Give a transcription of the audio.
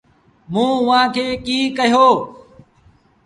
موٚنٚ اُئآݩٚ کي ڪيٚ ڪهيو۔